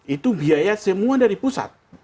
itu biaya semua dari pusat